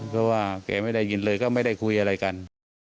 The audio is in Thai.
เพราะว่าแกไม่ได้ยินเลยก็ไม่ได้คุยอะไรกัน